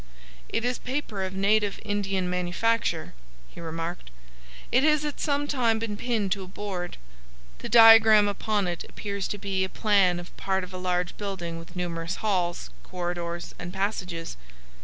"It is paper of native Indian manufacture," he remarked. "It has at some time been pinned to a board. The diagram upon it appears to be a plan of part of a large building with numerous halls, corridors, and passages.